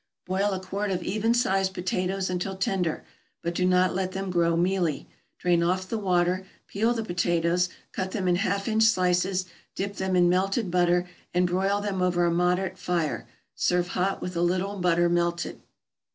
= Boil a quart of even sized potatoes until tender, but do not let them grow mealy; drain off the water, peel the potatoes, cut them in half inch slices, dip them in melted butter, and broil them over a moderate fire; serve hot, with a little butter melted.